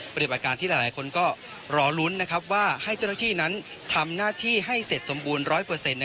ปฏิบัติการที่หลายคนก็รอลุ้นว่าให้เจ้าหน้าที่นั้นทำหน้าที่ให้เสร็จสมบูรณ์๑๐๐